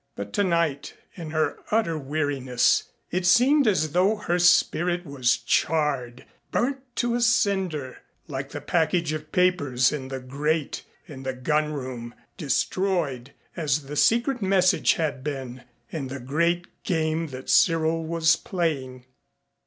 But tonight, in her utter weariness, it seemed as though her spirit was charred, burnt to a cinder, like the package of papers in the grate in the gun room, destroyed, as the secret message had been, in the great game that Cyril was playing.